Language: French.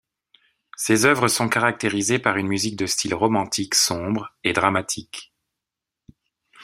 Ses œuvres sont caractérisées par une musique de style romantique sombre et dramatique.